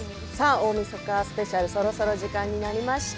大みそかスペシャルそろそろ時間になりました。